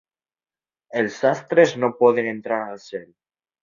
Els sastres no poden entrar al cel.